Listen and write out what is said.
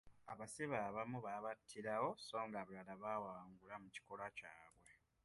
Abasibe abamu baabattirawo so ng'abalala bawangula mu kikolwa kyabwe.